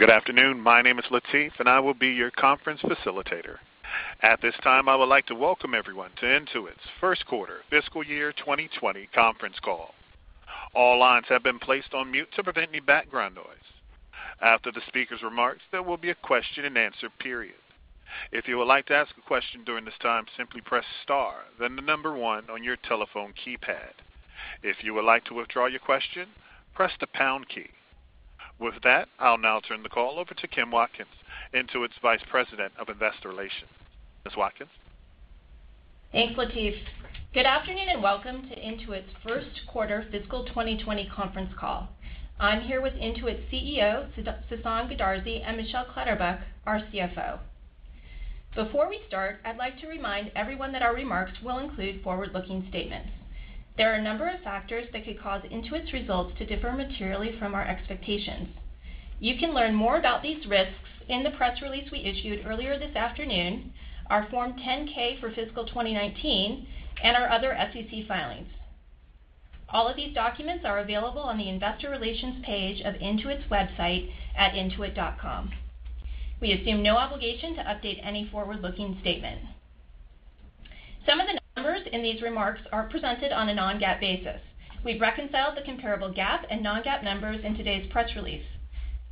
Good afternoon. My name is Latif, and I will be your conference facilitator. At this time, I would like to welcome everyone to Intuit's first quarter fiscal year 2020 conference call. All lines have been placed on mute to prevent any background noise. After the speaker's remarks, there will be a question and answer period. If you would like to ask a question during this time, simply press star, then the number one on your telephone keypad. If you would like to withdraw your question, press the pound key. With that, I'll now turn the call over to Kim Watkins, Intuit's Vice President of Investor Relations. Ms. Watkins? Thanks, Latif. Good afternoon, and welcome to Intuit's first quarter fiscal 2020 conference call. I'm here with Intuit's CEO, Sasan Goodarzi, and Michelle Clatterbuck, our CFO. Before we start, I'd like to remind everyone that our remarks will include forward-looking statements. There are a number of factors that could cause Intuit's results to differ materially from our expectations. You can learn more about these risks in the press release we issued earlier this afternoon, our Form 10-K for fiscal 2019, and our other SEC filings. All of these documents are available on the investor relations page of intuit.com. We assume no obligation to update any forward-looking statement. Some of the numbers in these remarks are presented on a non-GAAP basis. We've reconciled the comparable GAAP and non-GAAP numbers in today's press release.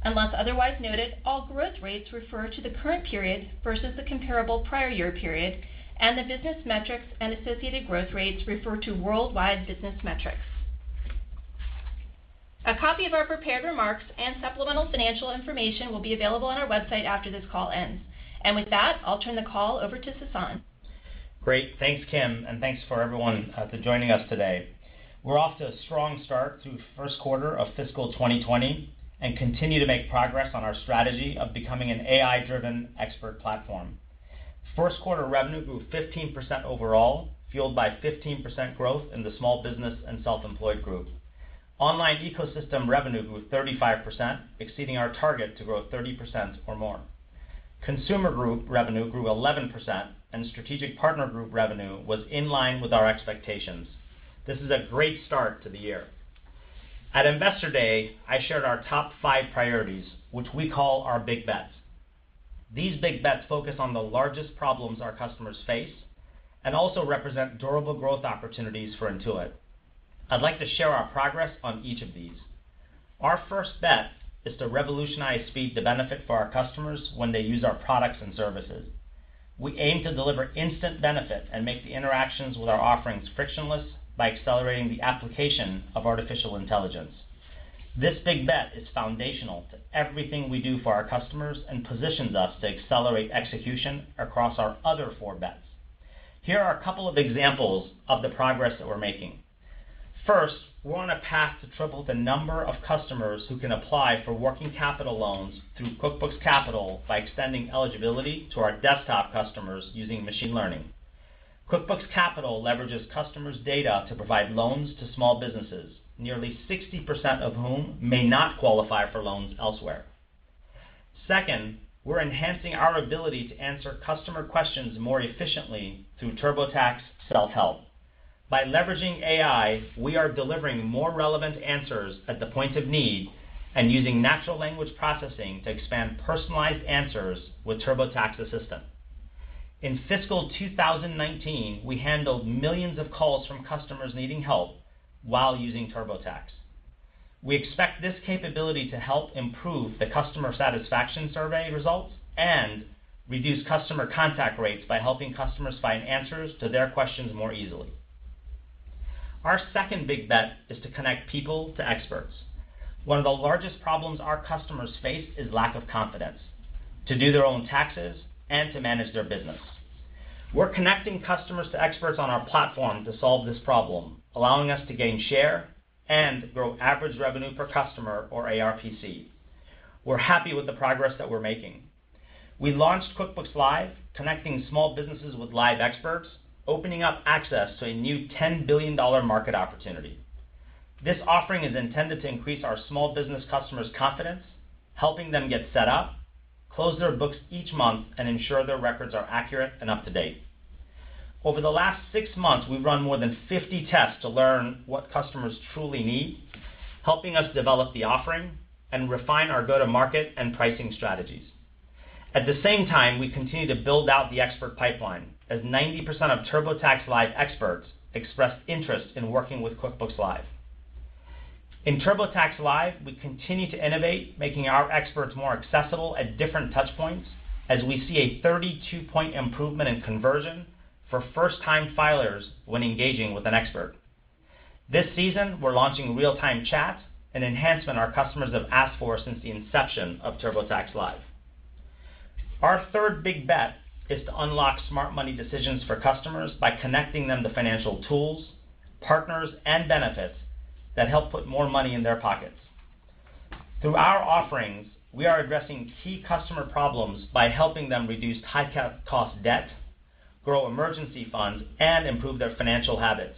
Unless otherwise noted, all growth rates refer to the current period versus the comparable prior year period, and the business metrics and associated growth rates refer to worldwide business metrics. A copy of our prepared remarks and supplemental financial information will be available on our website after this call ends. With that, I'll turn the call over to Sasan. Great. Thanks, Kim, and thanks for everyone for joining us today. We're off to a strong start to first quarter of fiscal 2020 and continue to make progress on our strategy of becoming an AI-driven expert platform. First quarter revenue grew 15% overall, fueled by 15% growth in the small business and self-employed group. Online ecosystem revenue grew 35%, exceeding our target to grow 30% or more. Consumer group revenue grew 11%, and strategic partner group revenue was in line with our expectations. This is a great start to the year. At Investor Day, I shared our top five priorities, which we call our Big Bets. These Big Bets focus on the largest problems our customers face and also represent durable growth opportunities for Intuit. I'd like to share our progress on each of these. Our first bet is to revolutionize speed to benefit for our customers when they use our products and services. We aim to deliver instant benefit and make the interactions with our offerings frictionless by accelerating the application of artificial intelligence. This big bet is foundational to everything we do for our customers and positions us to accelerate execution across our other four bets. Here are a couple of examples of the progress that we're making. First, we're on a path to triple the number of customers who can apply for working capital loans through QuickBooks Capital by extending eligibility to our desktop customers using machine learning. QuickBooks Capital leverages customers' data to provide loans to small businesses, nearly 60% of whom may not qualify for loans elsewhere. Second, we're enhancing our ability to answer customer questions more efficiently through TurboTax self-help. By leveraging AI, we are delivering more relevant answers at the point of need and using natural language processing to expand personalized answers with TurboTax assistance. In fiscal 2019, we handled millions of calls from customers needing help while using TurboTax. We expect this capability to help improve the customer satisfaction survey results and reduce customer contact rates by helping customers find answers to their questions more easily. Our second big bet is to connect people to experts. One of the largest problems our customers face is lack of confidence to do their own taxes and to manage their business. We're connecting customers to experts on our platform to solve this problem, allowing us to gain share and grow average revenue per customer or ARPC. We're happy with the progress that we're making. We launched QuickBooks Live, connecting small businesses with live experts, opening up access to a new $10 billion market opportunity. This offering is intended to increase our small business customers' confidence, helping them get set up, close their books each month, and ensure their records are accurate and up to date. Over the last six months, we've run more than 50 tests to learn what customers truly need, helping us develop the offering and refine our go-to-market and pricing strategies. At the same time, we continue to build out the expert pipeline, as 90% of TurboTax Live experts expressed interest in working with QuickBooks Live. In TurboTax Live, we continue to innovate, making our experts more accessible at different touchpoints as we see a 32-point improvement in conversion for first-time filers when engaging with an expert. This season, we're launching real-time chat, an enhancement our customers have asked for since the inception of TurboTax Live. Our third big bet is to unlock smart money decisions for customers by connecting them to financial tools, partners, and benefits that help put more money in their pockets. Through our offerings, we are addressing key customer problems by helping them reduce high cost debt, grow emergency funds, and improve their financial habits.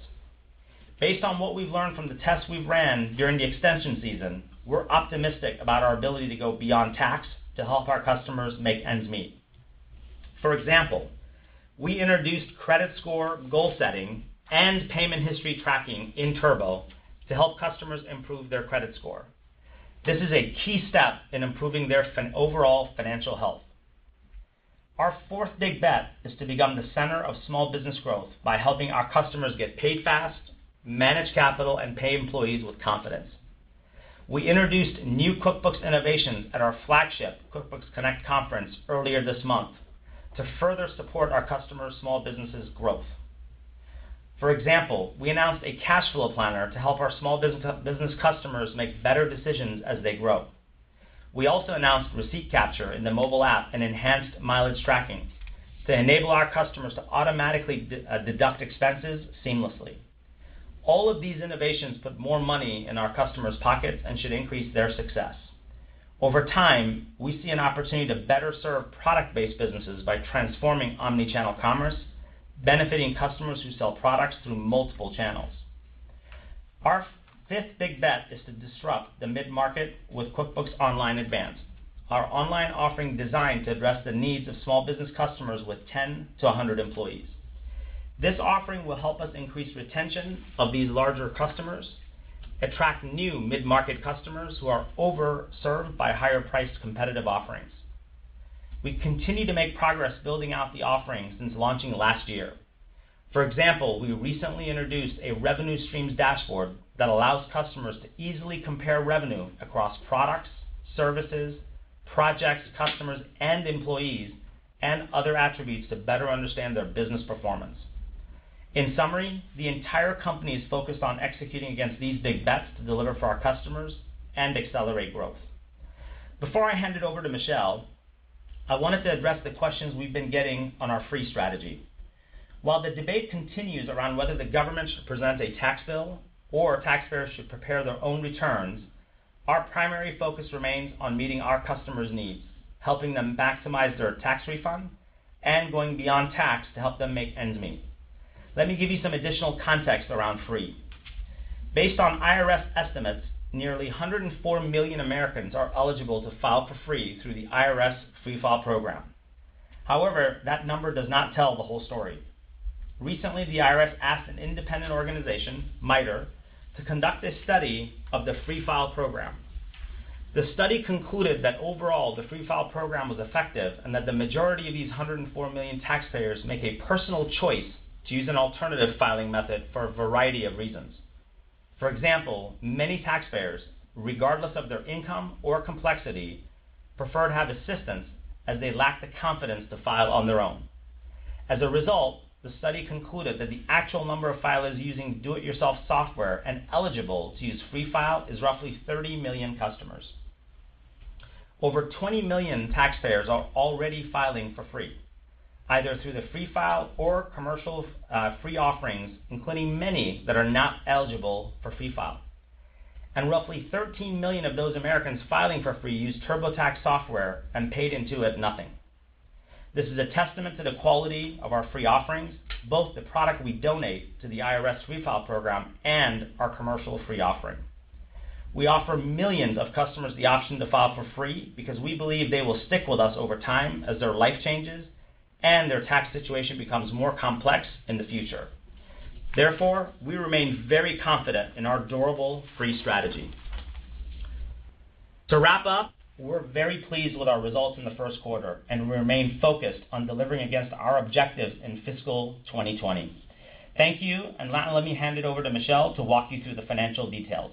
Based on what we've learned from the tests we've run during the extension season, we're optimistic about our ability to go beyond tax to help our customers make ends meet. For example, we introduced credit score goal setting and payment history tracking in Turbo to help customers improve their credit score. This is a key step in improving their overall financial health. Our fourth big bet is to become the center of small business growth by helping our customers get paid fast, manage capital, and pay employees with confidence. We introduced new QuickBooks innovations at our flagship QuickBooks Connect conference earlier this month to further support our customers' small businesses' growth. For example, we announced a Cash Flow Planner to help our small business customers make better decisions as they grow. We also announced receipt capture in the mobile app and enhanced mileage tracking to enable our customers to automatically deduct expenses seamlessly. All of these innovations put more money in our customers' pockets and should increase their success. Over time, we see an opportunity to better serve product-based businesses by transforming omni-channel commerce, benefiting customers who sell products through multiple channels. Our fifth big bet is to disrupt the mid-market with QuickBooks Online Advanced, our online offering designed to address the needs of small business customers with 10-100 employees. This offering will help us increase retention of these larger customers, attract new mid-market customers who are over-served by higher-priced competitive offerings. We continue to make progress building out the offering since launching last year. For example, we recently introduced a revenue streams dashboard that allows customers to easily compare revenue across products, services, projects, customers, and employees, and other attributes to better understand their business performance. In summary, the entire company is focused on executing against these big bets to deliver for our customers and accelerate growth. Before I hand it over to Michelle, I wanted to address the questions we've been getting on our free strategy. While the debate continues around whether the government should present a tax bill or taxpayers should prepare their own returns, our primary focus remains on meeting our customers' needs, helping them maximize their tax refund, and going beyond tax to help them make ends meet. Let me give you some additional context around free. Based on IRS estimates, nearly 104 million Americans are eligible to file for free through the IRS Free File program. However, that number does not tell the whole story. Recently, the IRS asked an independent organization, MITRE, to conduct a study of the Free File program. The study concluded that overall, the Free File program was effective and that the majority of these 104 million taxpayers make a personal choice to use an alternative filing method for a variety of reasons. For example, many taxpayers, regardless of their income or complexity, prefer to have assistance as they lack the confidence to file on their own. As a result, the study concluded that the actual number of filers using do-it-yourself software and eligible to use Free File is roughly 30 million customers. Over 20 million taxpayers are already filing for free, either through the Free File or commercial free offerings, including many that are not eligible for Free File. Roughly 13 million of those Americans filing for free use TurboTax software and paid Intuit nothing. This is a testament to the quality of our free offerings, both the product we donate to the IRS Free File program and our commercial free offering. We offer millions of customers the option to file for free because we believe they will stick with us over time as their life changes and their tax situation becomes more complex in the future. Therefore, we remain very confident in our durable free strategy. To wrap up, we're very pleased with our results in the first quarter, and we remain focused on delivering against our objectives in fiscal 2020. Thank you, and now let me hand it over to Michelle to walk you through the financial details.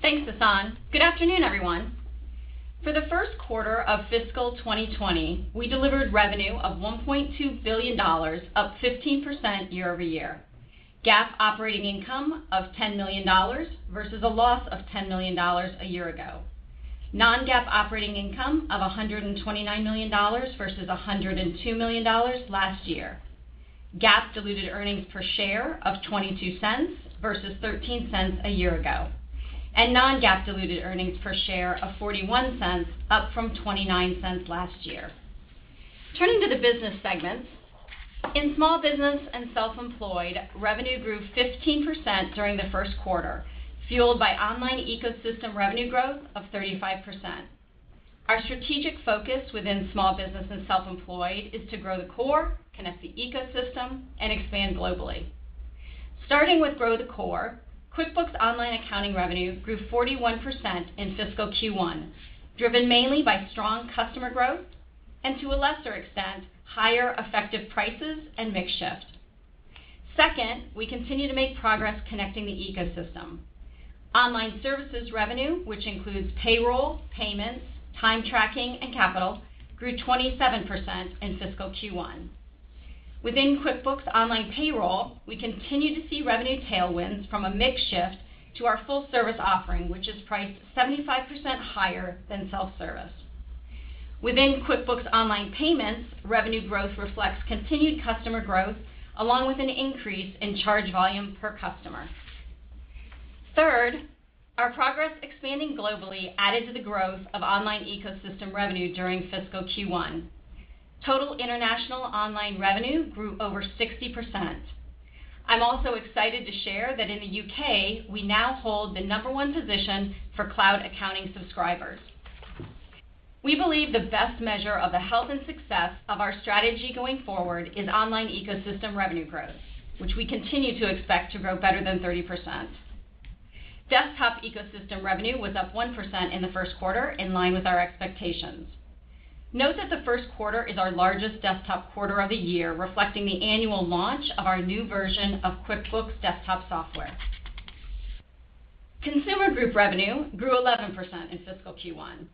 Thanks, Sasan. Good afternoon, everyone. For the first quarter of fiscal 2020, we delivered revenue of $1.2 billion, up 15% year-over-year. GAAP operating income of $10 million versus a loss of $10 million a year ago. Non-GAAP operating income of $129 million versus $102 million last year. GAAP diluted earnings per share of $0.22 versus $0.13 a year ago. Non-GAAP diluted earnings per share of $0.41, up from $0.29 last year. Turning to the business segments, in Small Business and Self-Employed, revenue grew 15% during the first quarter, fueled by online ecosystem revenue growth of 35%. Our strategic focus within Small Business and Self-Employed is to grow the core, connect the ecosystem, and expand globally. Starting with grow the core, QuickBooks Online accounting revenue grew 41% in fiscal Q1, driven mainly by strong customer growth, and to a lesser extent, higher effective prices and mix shift. Second, we continue to make progress connecting the ecosystem. Online services revenue, which includes payroll, payments, time tracking, and capital, grew 27% in fiscal Q1. Within QuickBooks Online Payroll, we continue to see revenue tailwinds from a mix shift to our full service offering, which is priced 75% higher than self-service. Within QuickBooks Online Payments, revenue growth reflects continued customer growth, along with an increase in charge volume per customer. Third, our progress expanding globally added to the growth of online ecosystem revenue during fiscal Q1. Total international online revenue grew over 60%. I'm also excited to share that in the U.K., we now hold the number one position for cloud accounting subscribers. We believe the best measure of the health and success of our strategy going forward is online ecosystem revenue growth, which we continue to expect to grow better than 30%. Desktop ecosystem revenue was up 1% in the first quarter, in line with our expectations. Note that the first quarter is our largest desktop quarter of the year, reflecting the annual launch of our new version of QuickBooks Desktop software. Consumer group revenue grew 11% in fiscal Q1.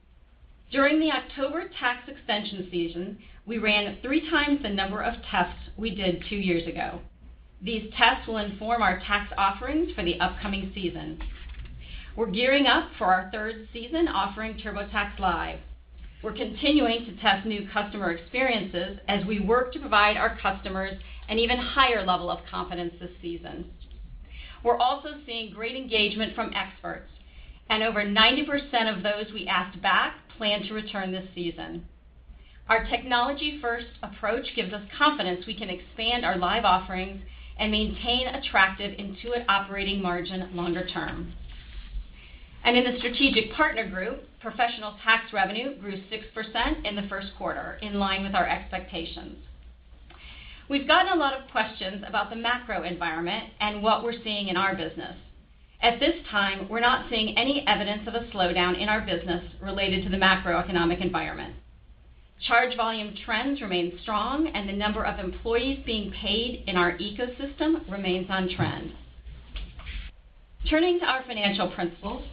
During the October tax extension season, we ran 3x the number of tests we did two years ago. These tests will inform our tax offerings for the upcoming season. We're gearing up for our third season offering TurboTax Live. We're continuing to test new customer experiences as we work to provide our customers an even higher level of confidence this season. We're also seeing great engagement from experts. Over 90% of those we asked back plan to return this season. Our technology-first approach gives us confidence we can expand our live offerings and maintain attractive Intuit operating margin longer term. In the strategic partner group, professional tax revenue grew 6% in the first quarter, in line with our expectations. We've gotten a lot of questions about the macro environment and what we're seeing in our business. At this time, we're not seeing any evidence of a slowdown in our business related to the macroeconomic environment. Charge volume trends remain strong, and the number of employees being paid in our ecosystem remains on trend. Turning to our financial principles,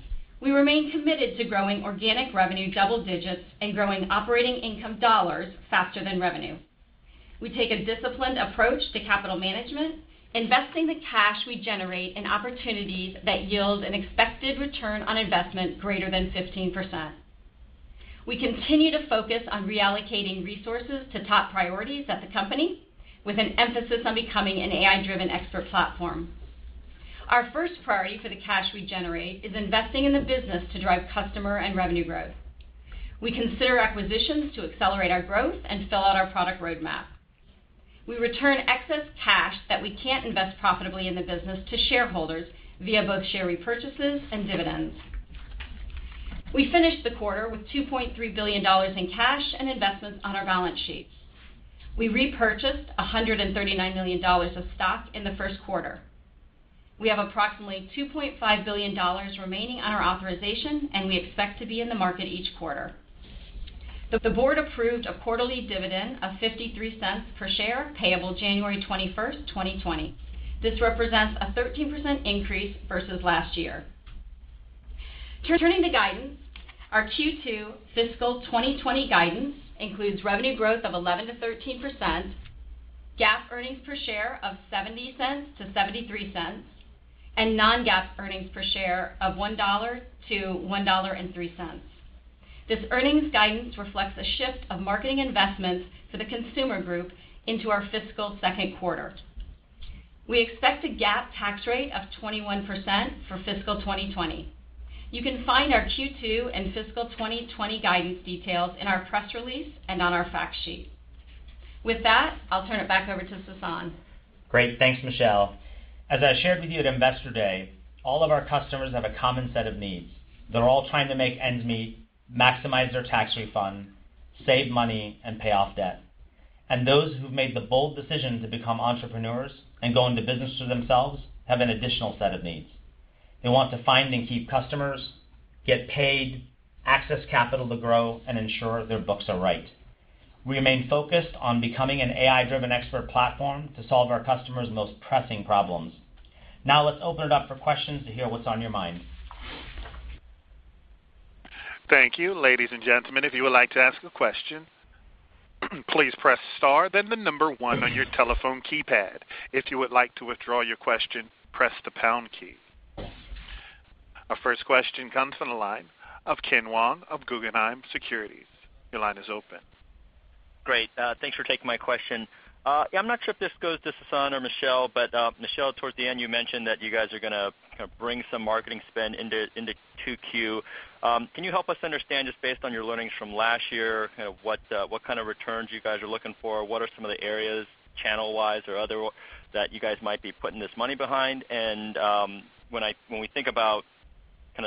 we remain committed to growing organic revenue double digits and growing operating income dollars faster than revenue. We take a disciplined approach to capital management, investing the cash we generate in opportunities that yield an expected ROI greater than 15%. We continue to focus on reallocating resources to top priorities at the company, with an emphasis on becoming an AI-driven expert platform. Our first priority for the cash we generate is investing in the business to drive customer and revenue growth. We consider acquisitions to accelerate our growth and fill out our product roadmap. We return excess cash that we can't invest profitably in the business to shareholders via both share repurchases and dividends. We finished the quarter with $2.3 billion in cash and investments on our balance sheets. We repurchased $139 million of stock in the first quarter. We have approximately $2.5 billion remaining on our authorization, and we expect to be in the market each quarter. The board approved a quarterly dividend of $0.53 per share, payable January 21st, 2020. This represents a 13% increase versus last year. Turning to guidance, our Q2 fiscal 2020 guidance includes revenue growth of 11%-13%, GAAP earnings per share of $0.70-$0.73, and non-GAAP earnings per share of $1.00-$1.03. This earnings guidance reflects a shift of marketing investments for the consumer group into our fiscal second quarter. We expect a GAAP tax rate of 21% for fiscal 2020. You can find our Q2 and fiscal 2020 guidance details in our press release and on our fact sheet. With that, I'll turn it back over to Sasan. Great. Thanks, Michelle. As I shared with you at Investor Day, all of our customers have a common set of needs. They're all trying to make ends meet, maximize their tax refund, save money, and pay off debt. Those who've made the bold decision to become entrepreneurs and go into business for themselves have an additional set of needs. They want to find and keep customers, get paid, access capital to grow, and ensure their books are right. We remain focused on becoming an AI-driven expert platform to solve our customers' most pressing problems. Now let's open it up for questions to hear what's on your mind. Thank you. Ladies and gentlemen, if you would like to ask a question, please press star then the number one on your telephone keypad. If you would like to withdraw your question, press the pound key. Our first question comes from the line of Ken Wong of Guggenheim Securities. Your line is open. Great. Thanks for taking my question. I'm not sure if this goes to Sasan or Michelle, but, Michelle, towards the end, you mentioned that you guys are going to bring some marketing spend into 2Q. Can you help us understand, just based on your learnings from last year, what kind of returns you guys are looking for? What are some of the areas, channel-wise or other, that you guys might be putting this money behind? When we think about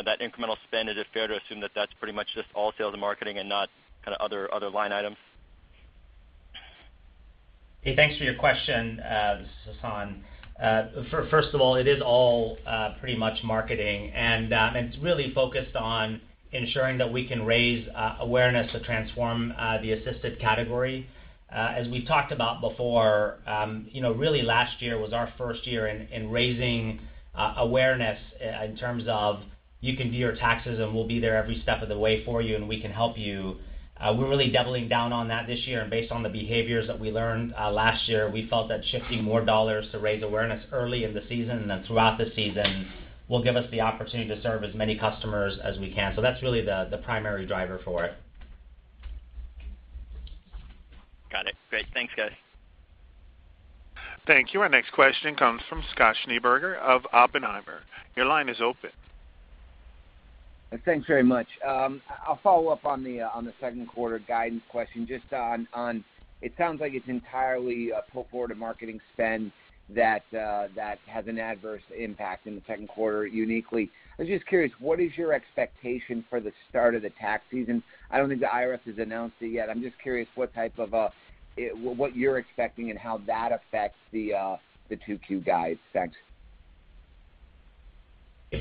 that incremental spend, is it fair to assume that that's pretty much just all sales and marketing and not other line items? Hey, thanks for your question. This is Sasan. First of all, it is all pretty much marketing. It's really focused on ensuring that we can raise awareness to transform the assisted category. As we've talked about before, really last year was our first year in raising awareness in terms of, you can do your taxes, and we'll be there every step of the way for you, and we can help you. We're really doubling down on that this year. Based on the behaviors that we learned last year, we felt that shifting more dollars to raise awareness early in the season and then throughout the season will give us the opportunity to serve as many customers as we can. That's really the primary driver for it. Got it. Great. Thanks, guys. Thank you. Our next question comes from Scott Schneeberger of Oppenheimer. Your line is open. Thanks very much. I'll follow up on the second quarter guidance question just on, it sounds like it's entirely a pull forward of marketing spend that has an adverse impact in the second quarter uniquely. I was just curious, what is your expectation for the start of the tax season? I don't think the IRS has announced it yet. I'm just curious what you're expecting and how that affects the 2Q guide. Thanks.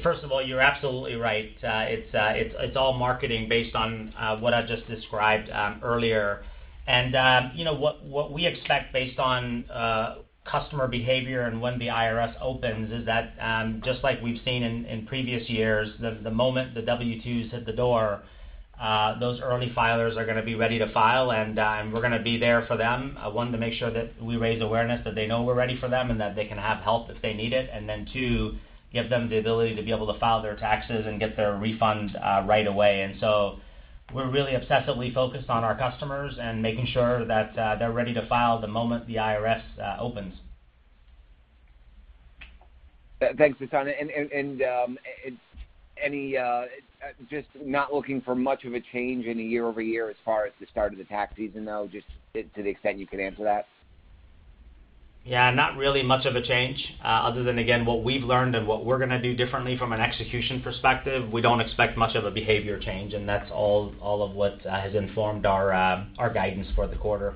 First of all, you're absolutely right. It's all marketing based on what I just described earlier. What we expect based on customer behavior and when the IRS opens is that, just like we've seen in previous years, the moment the W-2s hit the door, those early filers are going to be ready to file, and we're going to be there for them. One, to make sure that we raise awareness, that they know we're ready for them, and that they can have help if they need it. Two, give them the ability to be able to file their taxes and get their refunds right away. We're really obsessively focused on our customers and making sure that they're ready to file the moment the IRS opens. Thanks, Sasan. Just not looking for much of a change in the year-over-year as far as the start of the tax season, though, just to the extent you could answer that. Not really much of a change. Other than, again, what we've learned and what we're going to do differently from an execution perspective, we don't expect much of a behavior change, and that's all of what has informed our guidance for the quarter.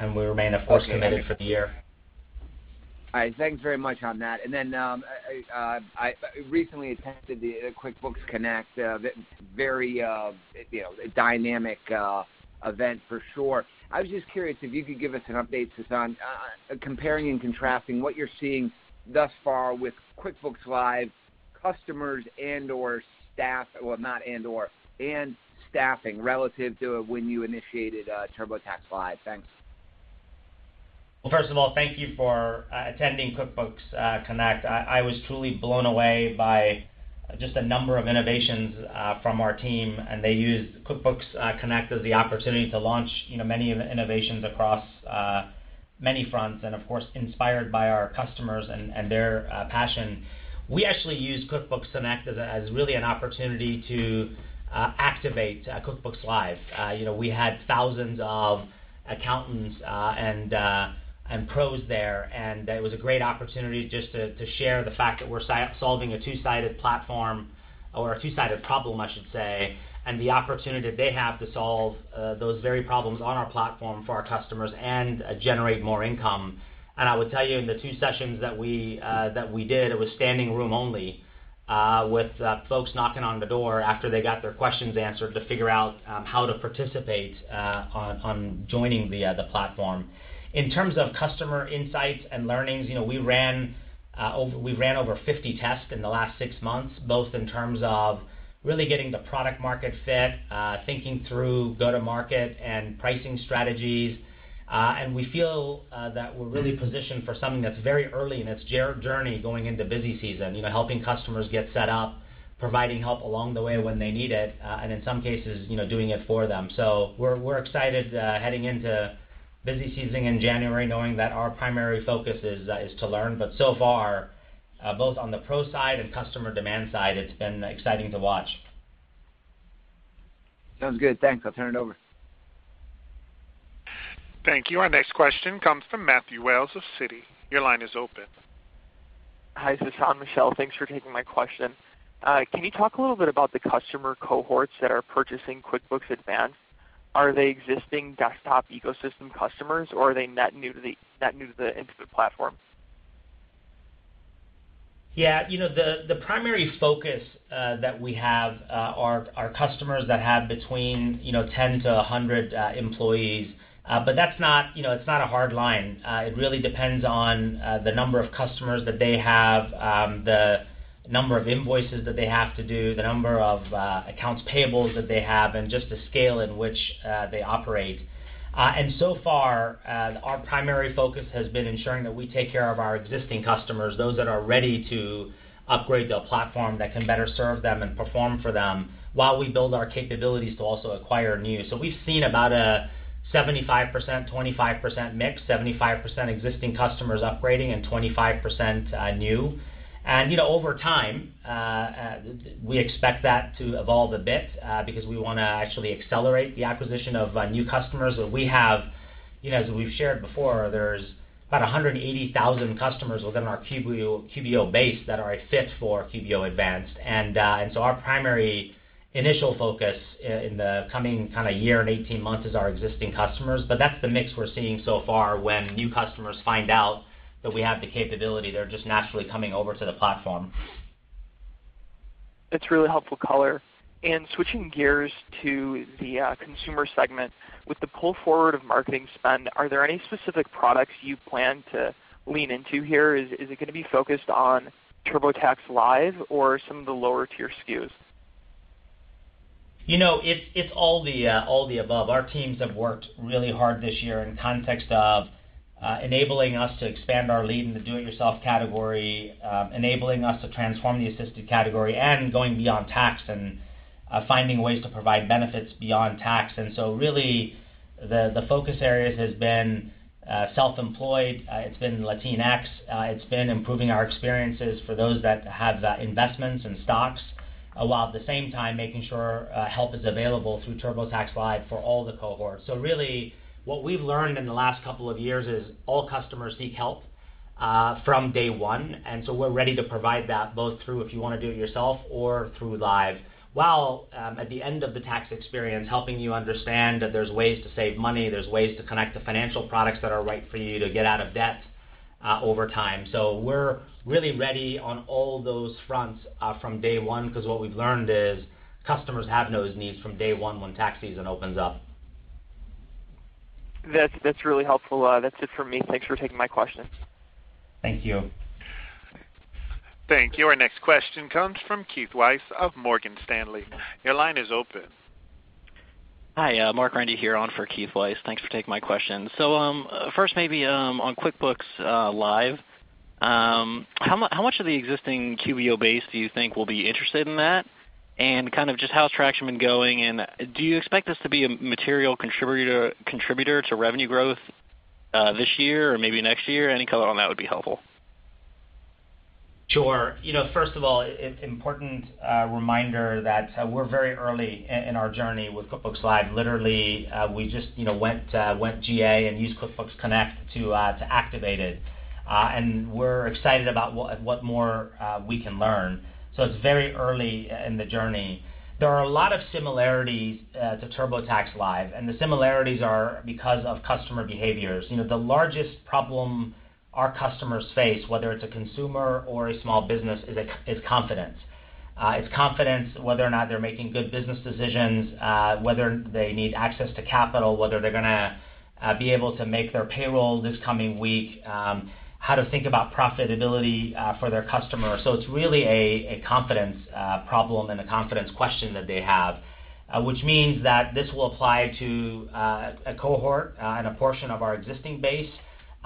We remain, of course, committed for the year. All right. Thanks very much on that. I recently attended the QuickBooks Connect, very dynamic event for sure. I was just curious if you could give us an update, Sasan, comparing and contrasting what you're seeing thus far with QuickBooks Live customers and staffing relative to when you initiated TurboTax Live. Thanks. Well, first of all, thank you for attending QuickBooks Connect. I was truly blown away by just the number of innovations from our team, and they used QuickBooks Connect as the opportunity to launch many of the innovations across many fronts and, of course, inspired by our customers and their passion. We actually used QuickBooks Connect as really an opportunity to activate QuickBooks Live. We had thousands of accountants and pros there, and it was a great opportunity just to share the fact that we're solving a two-sided platform or a two-sided problem, I should say, and the opportunity they have to solve those very problems on our platform for our customers and generate more income. I would tell you, in the two sessions that we did, it was standing room only, with folks knocking on the door after they got their questions answered to figure out how to participate on joining the platform. In terms of customer insights and learnings, we ran over 50 tests in the last six months, both in terms of really getting the product market fit, thinking through go-to-market and pricing strategies. We feel that we're really positioned for something that's very early in its journey going into busy season. Helping customers get set up, providing help along the way when they need it, and in some cases, doing it for them. We're excited heading into busy season in January, knowing that our primary focus is to learn. So far, both on the pro side and customer demand side, it's been exciting to watch. Sounds good. Thanks. I'll turn it over. Thank you. Our next question comes from Matthew Wells of Citi. Your line is open. Hi, Sasan, Michelle. Thanks for taking my question. Can you talk a little bit about the customer cohorts that are purchasing QuickBooks Advanced? Are they existing desktop ecosystem customers, or are they net new to the Intuit platform? The primary focus that we have are customers that have between 10-100 employees. It's not a hard line. It really depends on the number of customers that they have, the number of invoices that they have to do, the number of accounts payables that they have, and just the scale at which they operate. So far, our primary focus has been ensuring that we take care of our existing customers, those that are ready to upgrade to a platform that can better serve them and perform for them while we build our capabilities to also acquire new. We've seen about a 75%/25% mix, 75% existing customers upgrading and 25% new. Over time, we expect that to evolve a bit because we want to actually accelerate the acquisition of new customers. As we've shared before, there's about 180,000 customers within our QBO base that are a fit for QBO Advanced. Our primary initial focus in the coming year and 18 months is our existing customers, but that's the mix we're seeing so far. When new customers find out that we have the capability, they're just naturally coming over to the platform. That's really helpful color. Switching gears to the consumer segment. With the pull forward of marketing spend, are there any specific products you plan to lean into here? Is it going to be focused on TurboTax Live or some of the lower-tier SKUs? It's all the above. Our teams have worked really hard this year in context of enabling us to expand our lead in the do-it-yourself category, enabling us to transform the assisted category, and going beyond tax and finding ways to provide benefits beyond tax. Really, the focus areas have been self-employed, it's been Latinx, it's been improving our experiences for those that have investments in stocks, while at the same time making sure help is available through TurboTax Live for all the cohorts. Really, what we've learned in the last couple of years is all customers seek help from day one, we're ready to provide that both through if you want to do it yourself or through Live. While at the end of the tax experience, helping you understand that there's ways to save money, there's ways to connect to financial products that are right for you to get out of debt over time. We're really ready on all those fronts from day one, because what we've learned is customers have those needs from day one when tax season opens up. That's really helpful. That's it from me. Thanks for taking my question. Thank you. Thank you. Our next question comes from Keith Weiss of Morgan Stanley. Your line is open. Hi, Mark Randy here on for Keith Weiss. Thanks for taking my question. First maybe on QuickBooks Live. How much of the existing QBO base do you think will be interested in that, and kind of just how has traction been going, and do you expect this to be a material contributor to revenue growth this year or maybe next year? Any color on that would be helpful. Sure. First of all, important reminder that we're very early in our journey with QuickBooks Live. Literally, we just went GA and used QuickBooks Connect to activate it. We're excited about what more we can learn. It's very early in the journey. There are a lot of similarities to TurboTax Live, and the similarities are because of customer behaviors. The largest problem our customers face, whether it's a consumer or a small business, is confidence. It's confidence whether or not they're making good business decisions, whether they need access to capital, whether they're going to be able to make their payroll this coming week, how to think about profitability for their customer. It's really a confidence problem and a confidence question that they have. Which means that this will apply to a cohort and a portion of our existing base.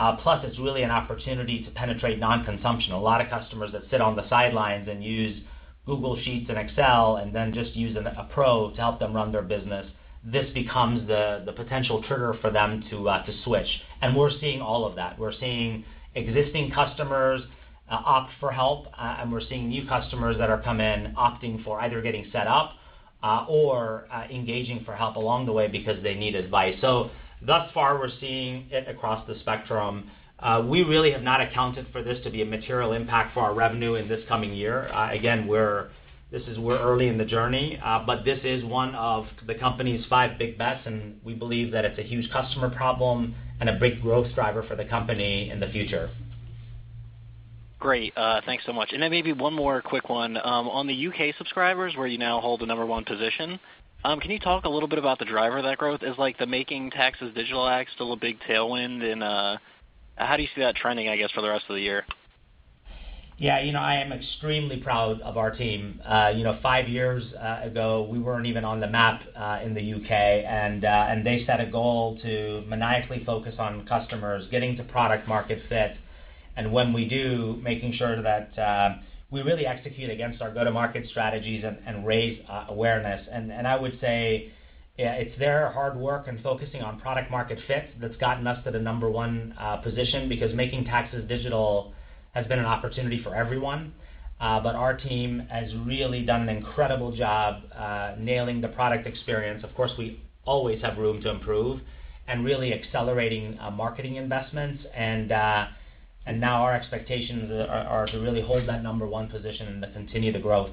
It's really an opportunity to penetrate non-consumption. A lot of customers that sit on the sidelines and use Google Sheets and Excel, and then just use a pro to help them run their business. This becomes the potential trigger for them to switch. We're seeing all of that. We're seeing existing customers opt for help, and we're seeing new customers that have come in opting for either getting set up or engaging for help along the way because they need advice. Thus far, we're seeing it across the spectrum. We really have not accounted for this to be a material impact for our revenue in this coming year. Again, we're early in the journey. This is one of the company's five big bets, and we believe that it's a huge customer problem and a big growth driver for the company in the future. Great. Thanks so much. Maybe one more quick one. On the U.K. subscribers, where you now hold the number one position, can you talk a little bit about the driver of that growth? Is like the Making Tax Digital act still a big tailwind? How do you see that trending, I guess, for the rest of the year? Yeah, I am extremely proud of our team. Five years ago, we weren't even on the map in the U.K., and they set a goal to maniacally focus on customers, getting to product market fit. When we do, making sure that we really execute against our go-to-market strategies and raise awareness. I would say it's their hard work and focusing on product market fit that's gotten us to the number one position because Making Tax Digital has been an opportunity for everyone. Our team has really done an incredible job nailing the product experience. Of course, we always have room to improve and really accelerating marketing investments, and now our expectations are to really hold that number one position and to continue the growth.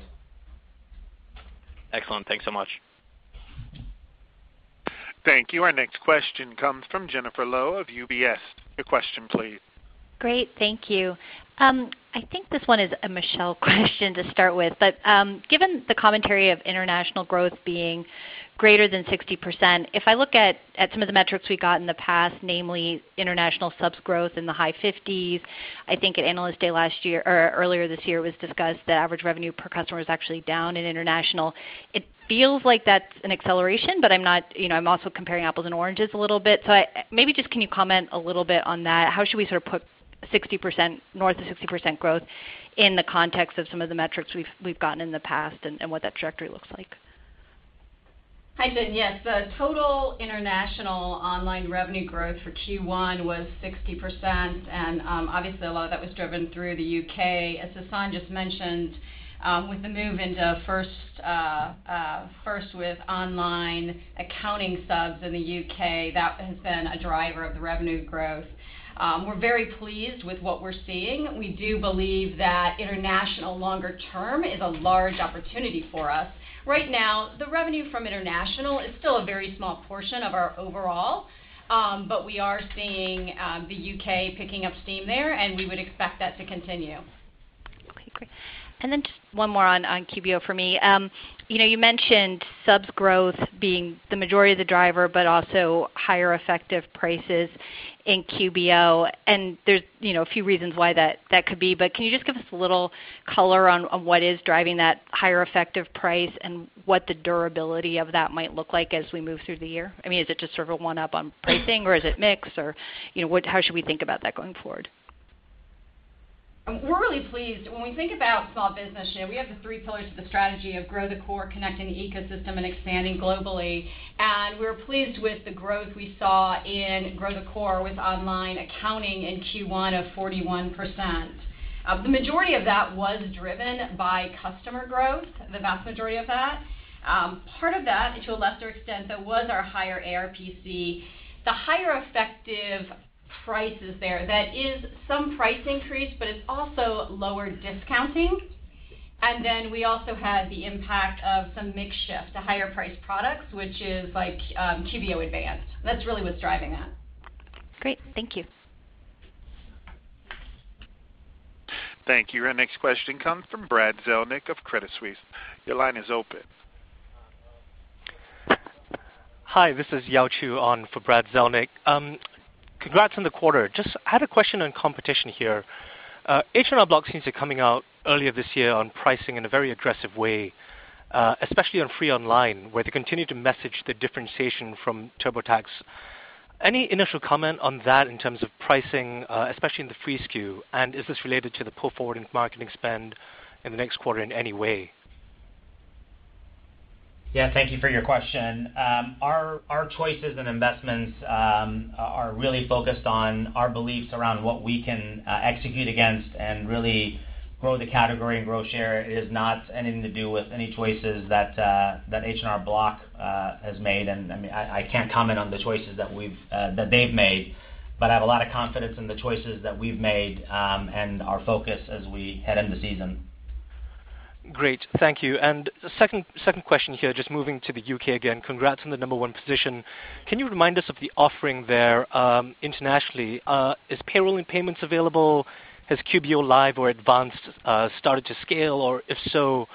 Excellent. Thanks so much. Thank you. Our next question comes from Jennifer Lowe of UBS. Your question, please. Great. Thank you. I think this one is a Michelle question to start with. Given the commentary of international growth being greater than 60%, if I look at some of the metrics we got in the past, namely international subs growth in the high 50s. I think at Analyst Day earlier this year, it was discussed that average revenue per customer is actually down in international. It feels like that's an acceleration, but I'm also comparing apples and oranges a little bit. Maybe just can you comment a little bit on that? How should we sort of put north of 60% growth in the context of some of the metrics we've gotten in the past and what that trajectory looks like? Hi, Jen. Yes. Total international online revenue growth for Q1 was 60%. Obviously a lot of that was driven through the U.K. As Sasan just mentioned, with the move into first with online accounting subs in the U.K., that has been a driver of the revenue growth. We're very pleased with what we're seeing. We do believe that international longer term is a large opportunity for us. Right now, the revenue from international is still a very small portion of our overall. We are seeing the U.K. picking up steam there, and we would expect that to continue. Okay, great. Just one more on QBO for me. You mentioned subs growth being the majority of the driver, but also higher effective prices in QBO, and there's a few reasons why that could be. Can you just give us a little color on what is driving that higher effective price and what the durability of that might look like as we move through the year? I mean, is it just sort of one-up on pricing, or is it mix, or how should we think about that going forward? We're really pleased. When we think about small business share, we have the three pillars of the strategy of grow the core, connecting the ecosystem, and expanding globally. We're pleased with the growth we saw in grow the core with online accounting in Q1 of 41%. The majority of that was driven by customer growth, the vast majority of that. Part of that, to a lesser extent though, was our higher ARPC. The higher effective price is there. That is some price increase, but it's also lower discounting. We also had the impact of some mix shift to higher priced products, which is like QBO Advanced. That's really what's driving that. Great. Thank you. Thank you. Our next question comes from Brad Zelnick of Credit Suisse. Your line is open. Hi, this is Yao Chew on for Brad Zelnick. Congrats on the quarter. Just had a question on competition here. H&R Block seems to be coming out earlier this year on pricing in a very aggressive way, especially on free online, where they continue to message the differentiation from TurboTax. Any initial comment on that in terms of pricing, especially in the free SKU? Is this related to the pull forward in marketing spend in the next quarter in any way? Yeah. Thank you for your question. Our choices and investments are really focused on our beliefs around what we can execute against and really grow the category and grow share. It is not anything to do with any choices that H&R Block has made. I can't comment on the choices that they've made. I have a lot of confidence in the choices that we've made, and our focus as we head into season. Great. Thank you. Second question here, just moving to the U.K. again, congrats on the number one position. Can you remind us of the offering there internationally? Is payroll and payments available? Has QBO Live or Advanced started to scale? If so,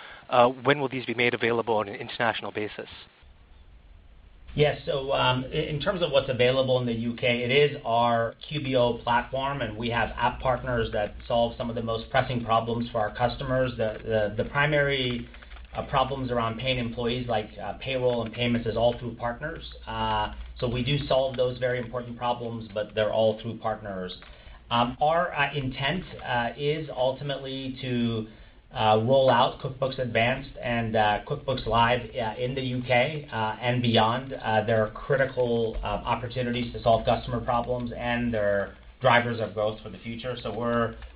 when will these be made available on an international basis? Yes. In terms of what's available in the U.K., it is our QBO platform, and we have app partners that solve some of the most pressing problems for our customers. The primary problems around paying employees, like payroll and payments, is all through partners. We do solve those very important problems, but they're all through partners. Our intent is ultimately to roll out QuickBooks Advanced and QuickBooks Live in the U.K. and beyond. They're critical opportunities to solve customer problems, and they're drivers of growth for the future.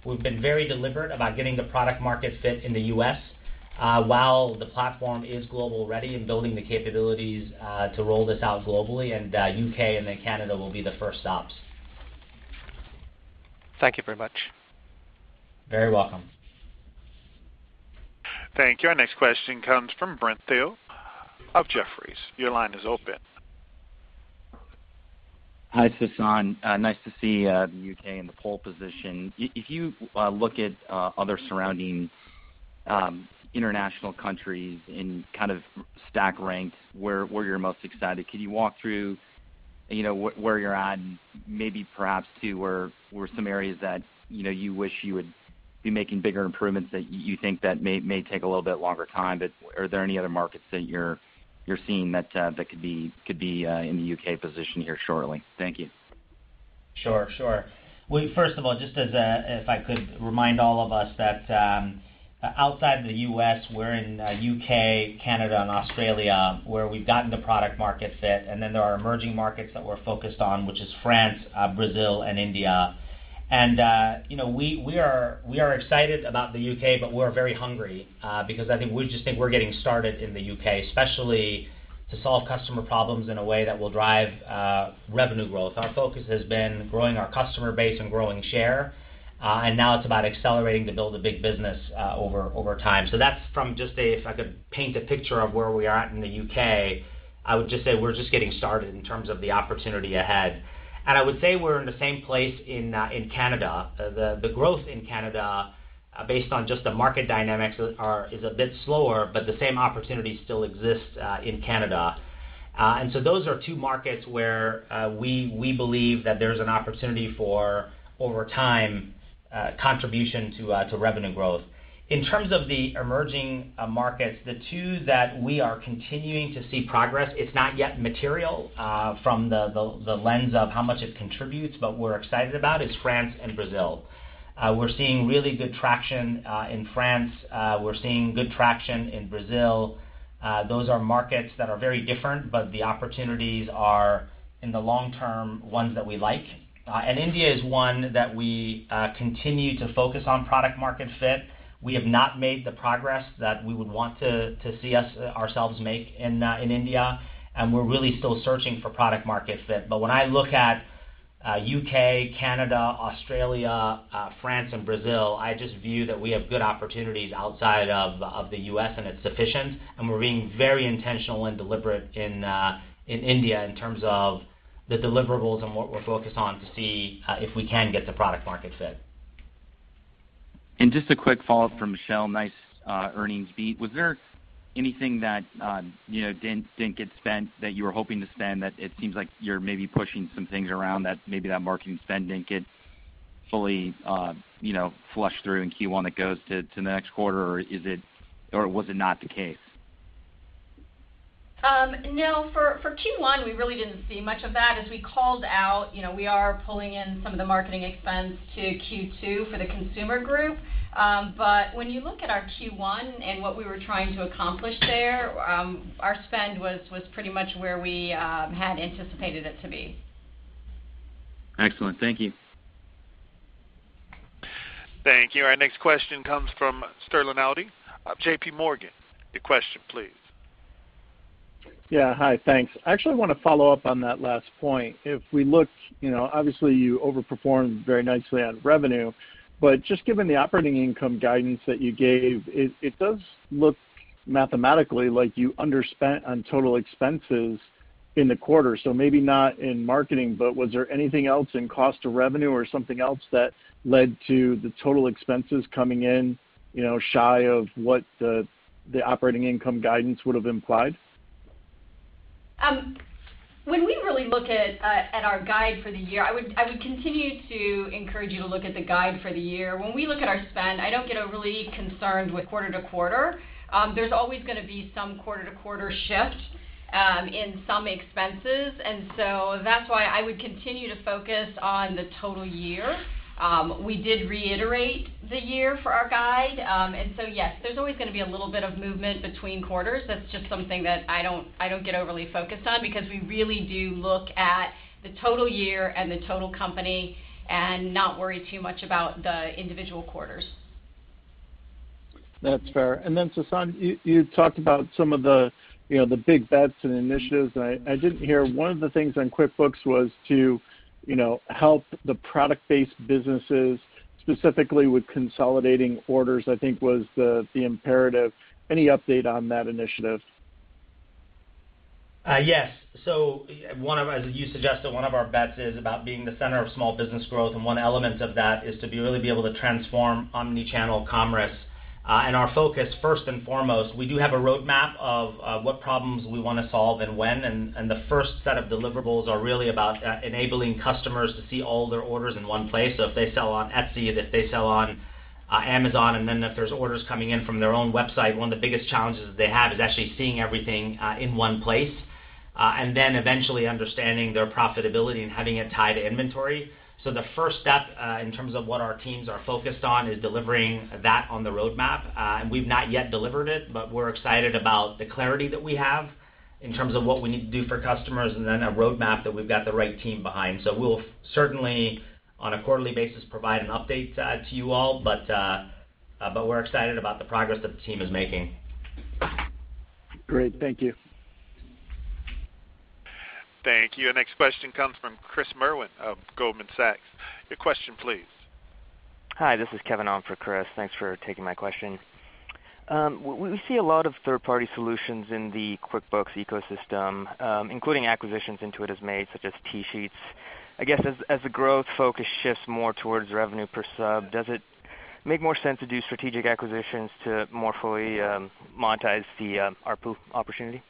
We've been very deliberate about getting the product market fit in the U.S. while the platform is global ready and building the capabilities to roll this out globally, and U.K. and then Canada will be the first stops. Thank you very much. Very welcome. Thank you. Our next question comes from Brent Thill of Jefferies. Your line is open. Hi, Sasan. Nice to see the U.K. in the pole position. If you look at other surrounding international countries and kind of stack rank where you're most excited, can you walk through where you're at and maybe perhaps, too, where some areas that you wish you would be making bigger improvements that you think that may take a little bit longer time? Are there any other markets that you're seeing that could be in the U.K. position here shortly? Thank you. Sure. Well, first of all, just if I could remind all of us that outside the U.S., we're in U.K., Canada, and Australia, where we've gotten the product market fit. Then there are emerging markets that we're focused on, which is France, Brazil, and India. We are excited about the U.K., but we're very hungry, because I think we just think we're getting started in the U.K., especially to solve customer problems in a way that will drive revenue growth. Our focus has been growing our customer base and growing share. Now it's about accelerating to build a big business over time. That's from just if I could paint a picture of where we are at in the U.K., I would just say we're just getting started in terms of the opportunity ahead. I would say we're in the same place in Canada. The growth in Canada, based on just the market dynamics, is a bit slower, but the same opportunity still exists in Canada. Those are two markets where we believe that there's an opportunity for, over time, contribution to revenue growth. In terms of the emerging markets, the two that we are continuing to see progress, it's not yet material from the lens of how much it contributes, but we're excited about, is France and Brazil. We're seeing really good traction in France. We're seeing good traction in Brazil. Those are markets that are very different, but the opportunities are, in the long term, ones that we like. India is one that we continue to focus on product market fit. We have not made the progress that we would want to see ourselves make in India, and we're really still searching for product market fit. When I look at U.K., Canada, Australia, France, and Brazil, I just view that we have good opportunities outside of the U.S., and it's sufficient, and we're being very intentional and deliberate in India in terms of the deliverables and what we're focused on to see if we can get the product market fit. Just a quick follow-up from Michelle. Nice earnings beat. Was there anything that didn't get spent that you were hoping to spend, that it seems like you're maybe pushing some things around that maybe that marketing spend didn't get fully flushed through in Q1 that goes to next quarter, or was it not the case? No, for Q1, we really didn't see much of that. As we called out, we are pulling in some of the marketing expense to Q2 for the consumer group. When you look at our Q1 and what we were trying to accomplish there, our spend was pretty much where we had anticipated it to be. Excellent. Thank you. Thank you. Our next question comes from Sterling Auty of JPMorgan. Your question, please. Yeah. Hi, thanks. I actually want to follow up on that last point. If we look, obviously, you overperformed very nicely on revenue, but just given the operating income guidance that you gave, it does look mathematically like you underspent on total expenses in the quarter. Maybe not in marketing, but was there anything else in cost of revenue or something else that led to the total expenses coming in shy of what the operating income guidance would've implied? When we really look at our guide for the year, I would continue to encourage you to look at the guide for the year. When we look at our spend, I don't get overly concerned with quarter to quarter. There's always going to be some quarter to quarter shift in some expenses. That's why I would continue to focus on the total year. We did reiterate the year for our guide. Yes, there's always going to be a little bit of movement between quarters. That's just something that I don't get overly focused on because we really do look at the total year and the total company, and not worry too much about the individual quarters. That's fair. Sasan, you talked about some of the big bets and initiatives, I didn't hear one of the things on QuickBooks was to help the product-based businesses, specifically with consolidating orders, I think was the imperative. Any update on that initiative? Yes. As you suggested, one of our bets is about being the center of small business growth, and one element of that is to really be able to transform omni-channel commerce. Our focus, first and foremost, we do have a roadmap of what problems we want to solve and when, and the first set of deliverables are really about enabling customers to see all their orders in one place. If they sell on Etsy, if they sell on Amazon, and then if there's orders coming in from their own website, one of the biggest challenges they have is actually seeing everything in one place. Eventually understanding their profitability and having it tied to inventory. The first step, in terms of what our teams are focused on, is delivering that on the roadmap. We've not yet delivered it, but we're excited about the clarity that we have in terms of what we need to do for customers, and then a roadmap that we've got the right team behind. We'll certainly, on a quarterly basis, provide an update to you all. We're excited about the progress that the team is making. Great. Thank you. Thank you. Our next question comes from Chris Merwin of Goldman Sachs. Your question please. Hi, this is Kevin on for Chris. Thanks for taking my question. We see a lot of third-party solutions in the QuickBooks ecosystem, including acquisitions Intuit has made, such as TSheets. I guess, as the growth focus shifts more towards revenue per sub, does it make more sense to do strategic acquisitions to more fully monetize the ARPU opportunity?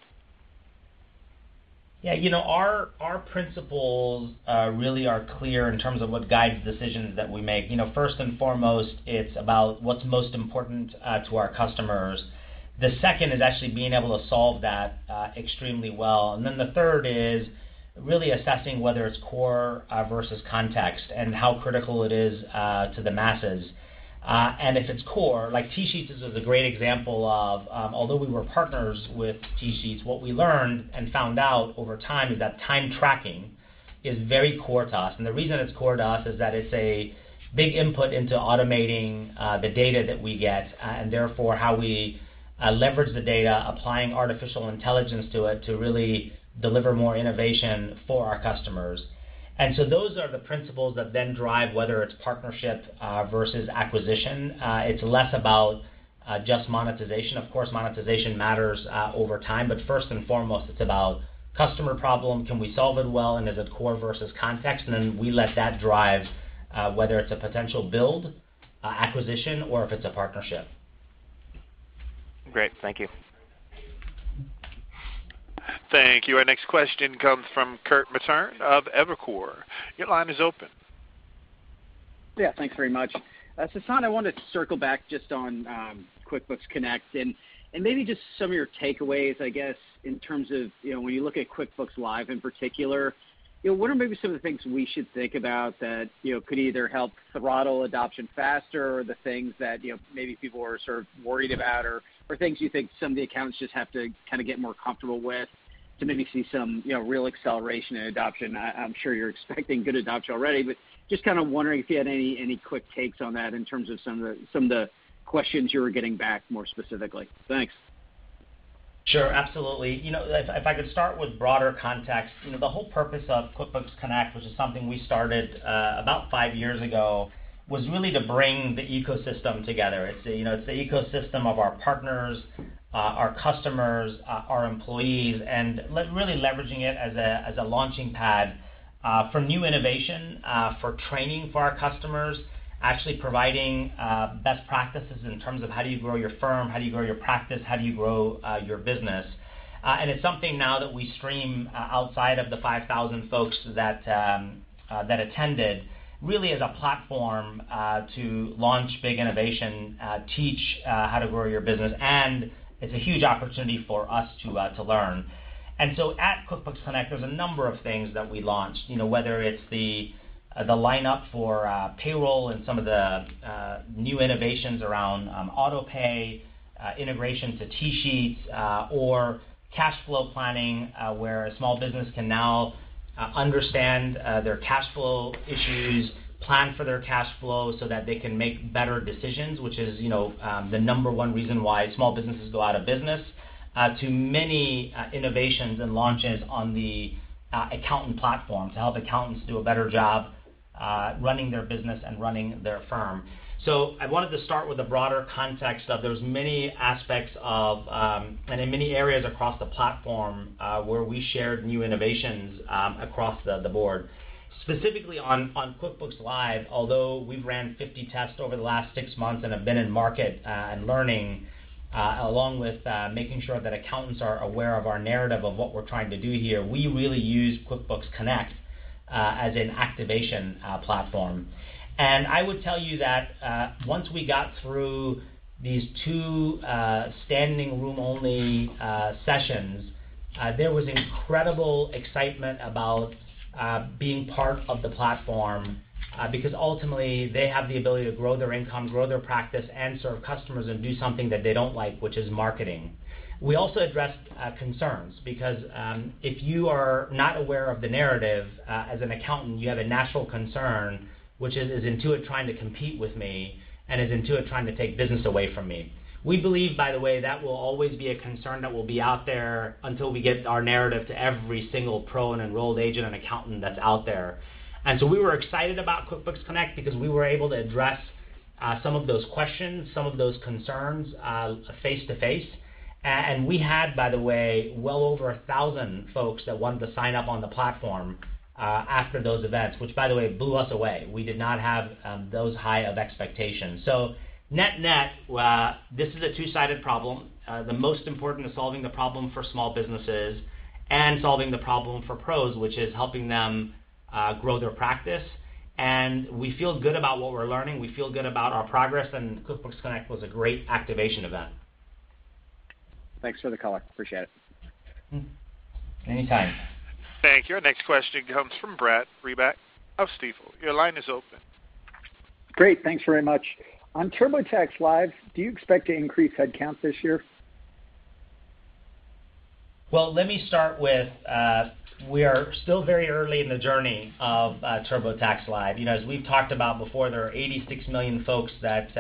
Yeah. Our principles really are clear in terms of what guides decisions that we make. First and foremost, it's about what's most important to our customers. The second is actually being able to solve that extremely well. The third is really assessing whether it's core versus context, and how critical it is to the masses. If it's core, like TSheets is a great example of, although we were partners with TSheets, what we learned and found out over time is that time tracking is very core to us. The reason it's core to us is that it's a big input into automating the data that we get, and therefore how we leverage the data, applying artificial intelligence to it to really deliver more innovation for our customers. Those are the principles that then drive whether it's partnership versus acquisition. It's less about just monetization. Of course, monetization matters over time. First and foremost, it's about customer problem, can we solve it well, and is it core versus context? Then we let that drive whether it's a potential build, acquisition, or if it's a partnership. Great. Thank you. Thank you. Our next question comes from Kirk Materne of Evercore. Your line is open. Yeah, thanks very much. Sasan, I wanted to circle back just on QuickBooks Connect, and maybe just some of your takeaways, I guess, in terms of when you look at QuickBooks Live in particular. What are maybe some of the things we should think about that could either help throttle adoption faster, or the things that maybe people are sort of worried about, or things you think some of the accounts just have to kind of get more comfortable with to maybe see some real acceleration in adoption? I'm sure you're expecting good adoption already, but just kind of wondering if you had any quick takes on that in terms of some of the questions you were getting back more specifically. Thanks. Sure. Absolutely. If I could start with broader context. The whole purpose of QuickBooks Connect, which is something we started about five years ago, was really to bring the ecosystem together. It's the ecosystem of our partners, our customers, our employees, really leveraging it as a launching pad for new innovation, for training for our customers, actually providing best practices in terms of how do you grow your firm, how do you grow your practice, how do you grow your business? It's something now that we stream outside of the 5,000 folks that attended, really as a platform to launch big innovation, teach how to grow your business, and it's a huge opportunity for us to learn. At QuickBooks Connect, there's a number of things that we launched, whether it's the lineup for payroll and some of the new innovations around auto-pay, integration to TSheets, or cash flow planning where a small business can now understand their cash flow issues, plan for their cash flow so that they can make better decisions, which is the number one reason why small businesses go out of business, to many innovations and launches on the accountant platform to help accountants do a better job running their business and running their firm. I wanted to start with the broader context of those many aspects of, and in many areas across the platform, where we shared new innovations across the board. Specifically on QuickBooks Live, although we've ran 50 tests over the last six months and have been in market and learning, along with making sure that accountants are aware of our narrative of what we're trying to do here, we really use QuickBooks Connect as an activation platform. I would tell you that once we got through these two standing-room-only sessions, there was incredible excitement about being part of the platform because ultimately they have the ability to grow their income, grow their practice, and serve customers and do something that they don't like, which is marketing. We also addressed concerns because if you are not aware of the narrative, as an accountant, you have a natural concern, which is, "Is Intuit trying to compete with me, and is Intuit trying to take business away from me?" We believe, by the way, that will always be a concern that will be out there until we get our narrative to every single pro and enrolled agent and accountant that's out there. We were excited about QuickBooks Connect because we were able to address some of those questions, some of those concerns face to face. We had, by the way, well over 1,000 folks that wanted to sign up on the platform after those events, which by the way, blew us away. We did not have those high of expectations. Net net, this is a two-sided problem. The most important is solving the problem for small businesses and solving the problem for pros, which is helping them grow their practice. We feel good about what we're learning. We feel good about our progress, and QuickBooks Connect was a great activation event. Thanks for the color. Appreciate it. Anytime. Thank you. Our next question comes from Brad Reback of Stifel. Your line is open. Great. Thanks very much. On TurboTax Live, do you expect to increase head count this year? Well, let me start with, we are still very early in the journey of TurboTax Live. As we've talked about before, there are 86 million folks that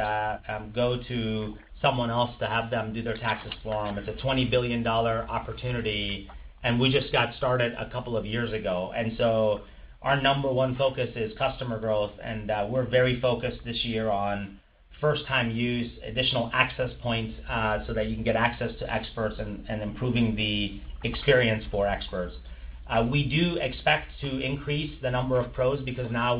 go to someone else to have them do their taxes for them. It's a $20 billion opportunity. We just got started a couple of years ago. Our number one focus is customer growth, and we're very focused this year on first-time use, additional access points, so that you can get access to experts, and improving the experience for experts. We do expect to increase the number of pros because now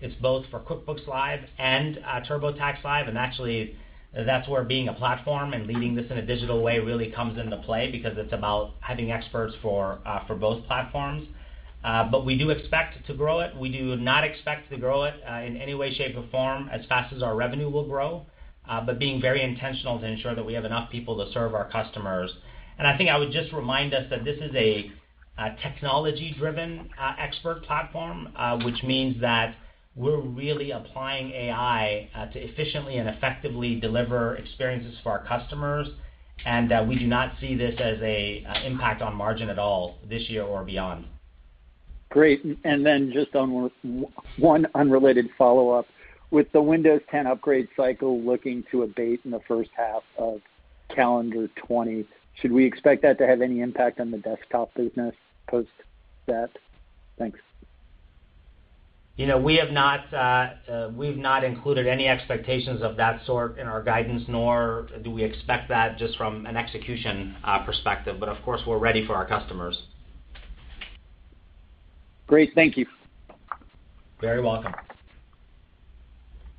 it's both for QuickBooks Live and TurboTax Live. Actually, that's where being a platform and leading this in a digital way really comes into play because it's about having experts for both platforms. We do expect to grow it. We do not expect to grow it, in any way, shape, or form, as fast as our revenue will grow, but being very intentional to ensure that we have enough people to serve our customers. I think I would just remind us that this is a technology-driven expert platform, which means that we're really applying AI to efficiently and effectively deliver experiences for our customers, and we do not see this as an impact on margin at all this year or beyond. Great. Just one unrelated follow-up. With the Windows 10 upgrade cycle looking to abate in the first half of calendar 2020, should we expect that to have any impact on the desktop business post that? Thanks. We have not included any expectations of that sort in our guidance, nor do we expect that just from an execution perspective. Of course, we're ready for our customers. Great. Thank you. Very welcome.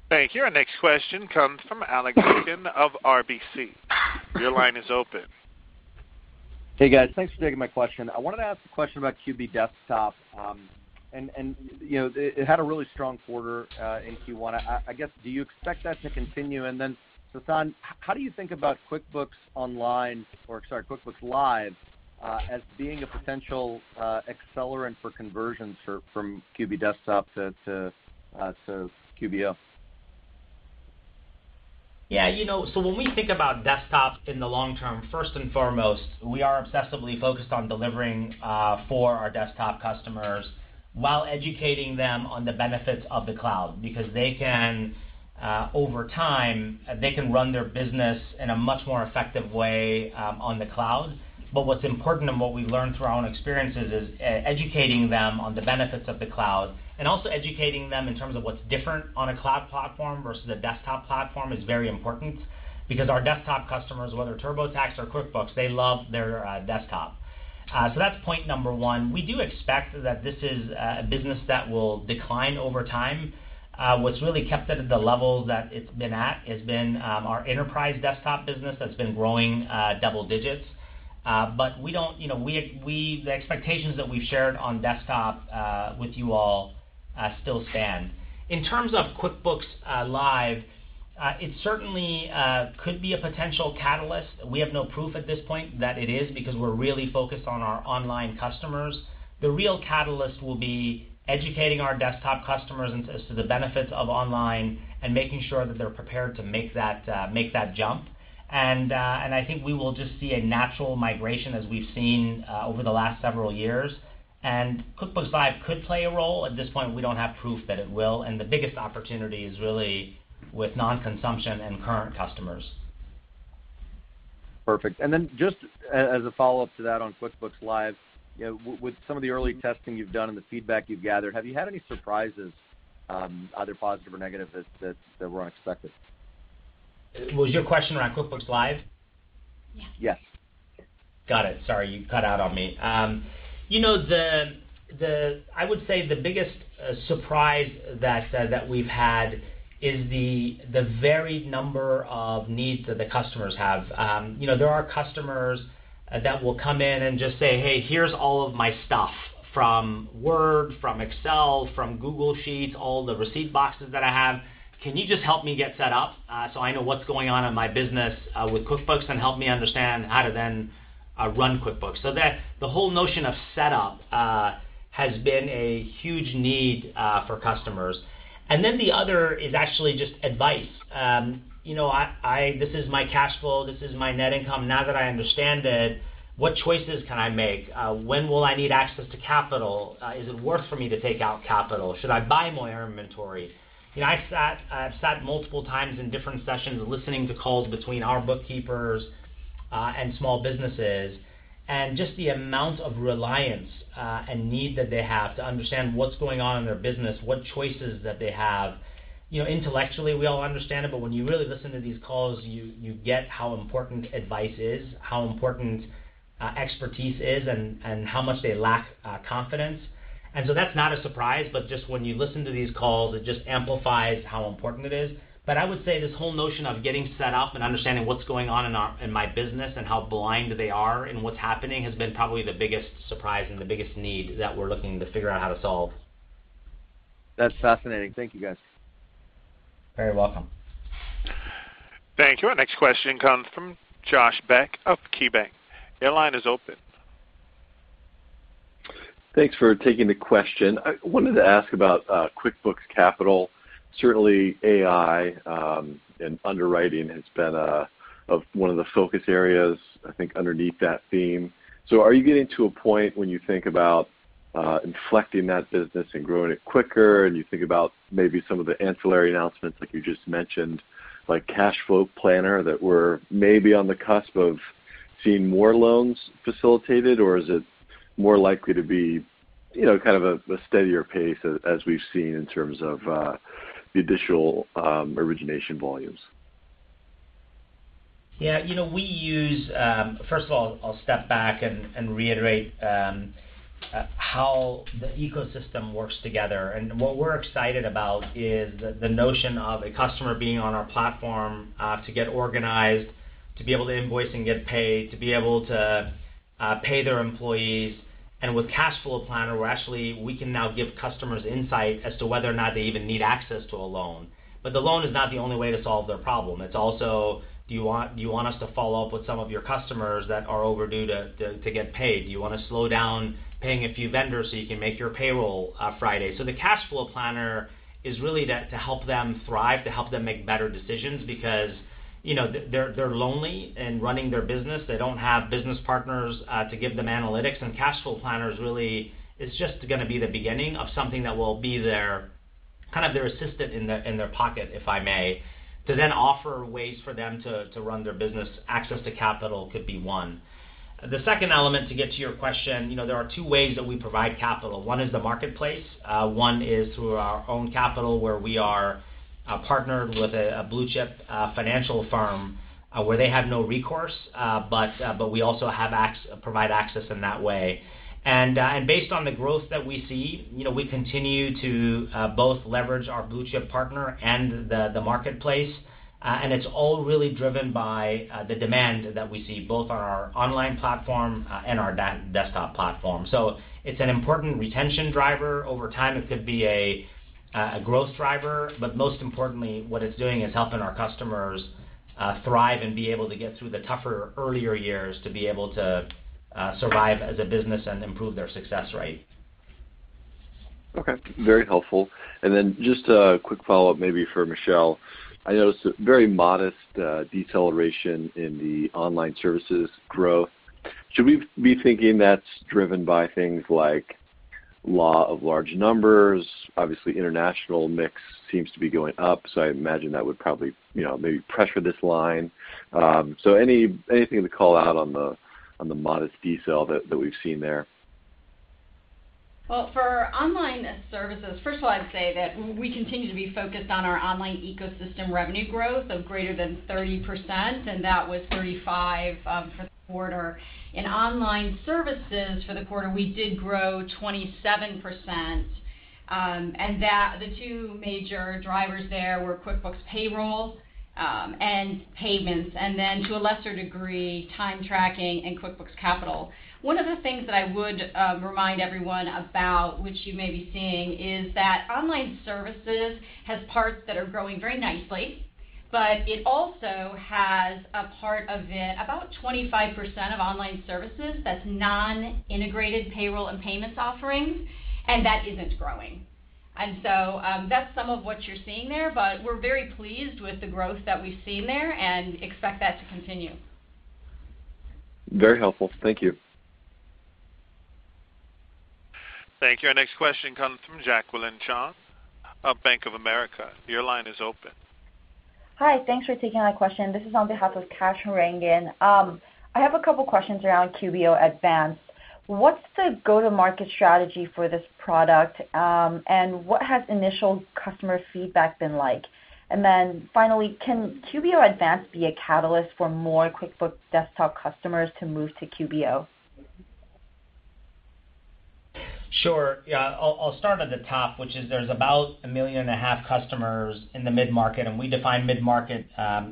Thank you. Our next question comes from Alex Zukin of RBC. Your line is open. Hey, guys. Thanks for taking my question. I wanted to ask a question about QB Desktop. It had a really strong quarter in Q1. I guess, do you expect that to continue? Sasan, how do you think about QuickBooks Live as being a potential accelerant for conversions from QB Desktop to QBO? When we think about desktop in the long term, first and foremost, we are obsessively focused on delivering for our desktop customers while educating them on the benefits of the cloud, because over time, they can run their business in a much more effective way on the cloud. What's important and what we've learned through our own experiences is educating them on the benefits of the cloud and also educating them in terms of what's different on a cloud platform versus a desktop platform is very important because our desktop customers, whether TurboTax or QuickBooks, they love their desktop. That's point number one. We do expect that this is a business that will decline over time. What's really kept it at the level that it's been at has been our enterprise desktop business that's been growing double digits. The expectations that we've shared on desktop, with you all, still stand. In terms of QuickBooks Live, it certainly could be a potential catalyst. We have no proof at this point that it is, because we're really focused on our online customers. The real catalyst will be educating our desktop customers as to the benefits of online and making sure that they're prepared to make that jump. I think we will just see a natural migration as we've seen over the last several years. QuickBooks Live could play a role. At this point, we don't have proof that it will, and the biggest opportunity is really with non-consumption and current customers. Perfect. Just as a follow-up to that on QuickBooks Live, with some of the early testing you've done and the feedback you've gathered, have you had any surprises, either positive or negative, that weren't expected? Was your question around QuickBooks Live? Yeah. Yes. Got it. Sorry, you cut out on me. I would say the biggest surprise that we've had is the varied number of needs that the customers have. There are customers that will come in and just say, "Hey, here's all of my stuff, from Word, from Excel, from Google Sheets, all the receipt boxes that I have. Can you just help me get set up, so I know what's going on in my business with QuickBooks, and help me understand how to then run QuickBooks?" The whole notion of setup has been a huge need for customers. Then the other is actually just advice. "This is my cash flow, this is my net income. Now that I understand it, what choices can I make? When will I need access to capital? Is it worth for me to take out capital? Should I buy more inventory?" I've sat multiple times in different sessions listening to calls between our bookkeepers and small businesses, just the amount of reliance and need that they have to understand what's going on in their business, what choices that they have. Intellectually, we all understand it, when you really listen to these calls, you get how important advice is, how important expertise is, and how much they lack confidence. That's not a surprise, but just when you listen to these calls, it just amplifies how important it is. I would say this whole notion of getting set up and understanding what's going on in my business and how blind they are in what's happening, has been probably the biggest surprise and the biggest need that we're looking to figure out how to solve. That's fascinating. Thank you, guys. Very welcome. Thank you. Our next question comes from Josh Beck of KeyBanc. Your line is open. Thanks for taking the question. I wanted to ask about QuickBooks Capital. Certainly, AI in underwriting has been one of the focus areas, I think, underneath that theme. Are you getting to a point when you think about inflecting that business and growing it quicker, and you think about maybe some of the ancillary announcements like you just mentioned, like Cash Flow Planner, that we're maybe on the cusp of seeing more loans facilitated, or is it more likely to be kind of a steadier pace as we've seen in terms of the additional origination volumes? Yeah. First of all, I'll step back and reiterate how the ecosystem works together. What we're excited about is the notion of a customer being on our platform to get organized, to be able to invoice and get paid, to be able to pay their employees. With Cash Flow Planner, we can now give customers insight as to whether or not they even need access to a loan. The loan is not the only way to solve their problem. It's also, do you want us to follow up with some of your customers that are overdue to get paid? Do you want to slow down paying a few vendors so you can make your payroll Friday? The Cash Flow Planner is really to help them thrive, to help them make better decisions because they're lonely in running their business. They don't have business partners to give them analytics. Cash Flow Planner is just going to be the beginning of something that will be their assistant in their pocket, if I may, to then offer ways for them to run their business. Access to capital could be one. The second element, to get to your question, there are two ways that we provide capital. One is the marketplace. One is through our own capital, where we are partnered with a blue-chip financial firm, where they have no recourse, but we also provide access in that way. Based on the growth that we see, we continue to both leverage our blue-chip partner and the marketplace, and it's all really driven by the demand that we see, both on our online platform and our desktop platform. It's an important retention driver. Over time, it could be a growth driver. Most importantly, what it's doing is helping our customers thrive and be able to get through the tougher earlier years to be able to survive as a business and improve their success rate. Okay. Very helpful. Then just a quick follow-up, maybe for Michelle. I noticed a very modest deceleration in the online services growth. Should we be thinking that's driven by things like law of large numbers? Obviously, international mix seems to be going up. I imagine that would probably maybe pressure this line. Anything to call out on the modest decel that we've seen there? Well, for online services, first of all, I'd say that we continue to be focused on our online ecosystem revenue growth of greater than 30%, and that was 35% for the quarter. In online services for the quarter, we did grow 27%, and the two major drivers there were QuickBooks Payroll and payments, and then to a lesser degree, time tracking and QuickBooks Capital. One of the things that I would remind everyone about, which you may be seeing, is that online services has parts that are growing very nicely, but it also has a part of it, about 25% of online services, that's non-integrated payroll and payments offerings, and that isn't growing. That's some of what you're seeing there, we're very pleased with the growth that we've seen there and expect that to continue. Very helpful. Thank you. Thank you. Our next question comes from Jacqueline Cheong of Bank of America. Your line is open. Hi. Thanks for taking my question. This is on behalf of Kash Rangan. I have a couple questions around QBO Advanced. What's the go-to-market strategy for this product, and what has initial customer feedback been like? Finally, can QBO Advanced be a catalyst for more QuickBooks Desktop customers to move to QBO? Sure. Yeah. I'll start at the top, which is there's about 1.5 million customers in the mid-market, and we define mid-market as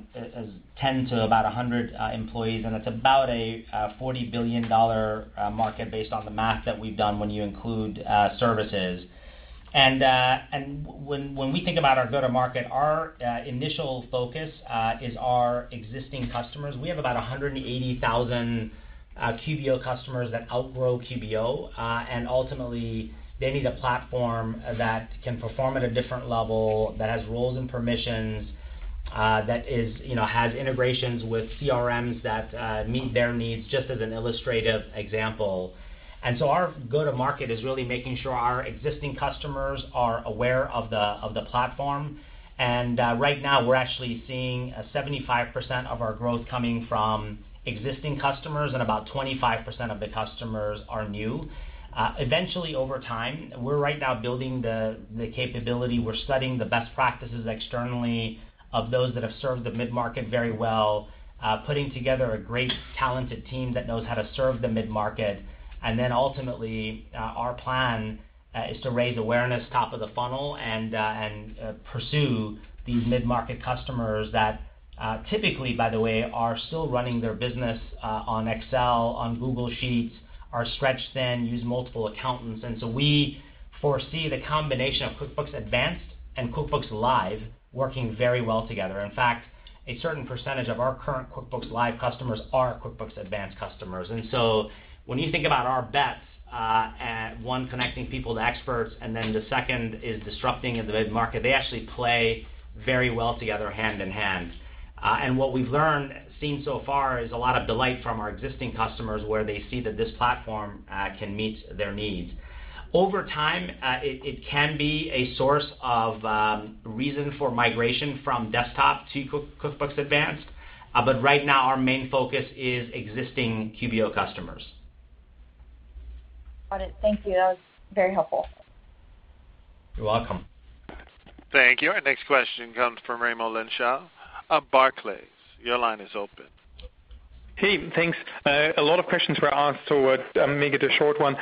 10 to about 100 employees, and it's about a $40 billion market based on the math that we've done when you include services. When we think about our go-to-market, our initial focus is our existing customers. We have about 180,000 QBO customers that outgrow QBO, and ultimately, they need a platform that can perform at a different level, that has roles and permissions, that has integrations with CRMs that meet their needs, just as an illustrative example. Our go-to-market is really making sure our existing customers are aware of the platform. Right now, we're actually seeing 75% of our growth coming from existing customers and about 25% of the customers are new. Eventually, over time, we're right now building the capability. We're studying the best practices externally of those that have served the mid-market very well, putting together a great, talented team that knows how to serve the mid-market. Ultimately, our plan is to raise awareness top of the funnel and pursue these mid-market customers that typically, by the way, are still running their business on Excel, on Google Sheets, are stretched thin, use multiple accountants. We foresee the combination of QuickBooks Advanced and QuickBooks Live working very well together. In fact, a certain percentage of our current QuickBooks Live customers are QuickBooks Advanced customers. When you think about our bets at one, connecting people to experts, and then the second is disrupting in the mid-market, they actually play very well together hand in hand. What we've learned, seen so far is a lot of delight from our existing customers where they see that this platform can meet their needs. Over time, it can be a source of reason for migration from Desktop to QuickBooks Advanced, but right now, our main focus is existing QBO customers. Got it. Thank you. That was very helpful. You're welcome. Thank you. Our next question comes from Raimo Lenschow of Barclays. Your line is open. Hey, thanks. A lot of questions were asked, so I'll make it a short one.